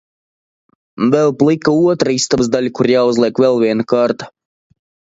Vēl plika otra istabas daļa, kur jāuzliek vēl viena kārta.